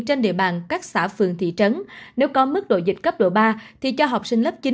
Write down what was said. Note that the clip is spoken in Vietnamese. trên địa bàn các xã phường thị trấn nếu có mức độ dịch cấp độ ba thì cho học sinh lớp chín